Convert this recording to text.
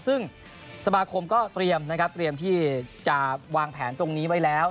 ซึ่งสมาคมก็เตรียมนะครับเตรียมที่จะวางแผนตรงนี้ไว้แล้ว